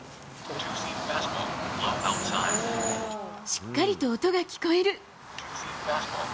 しっかりと音が聞こえる。